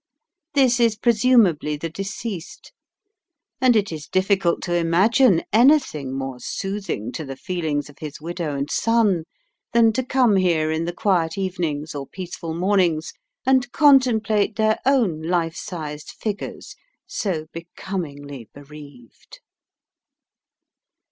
This is presumably the deceased, and it is difficult to imagine anything more soothing to the feelings of his widow and son than to come here in the quiet evenings or peaceful mornings and contemplate their own life sized figures so becomingly bereaved.